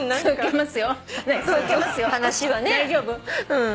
うん。